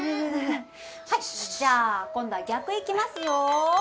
はいじゃあ今度は逆いきますよ。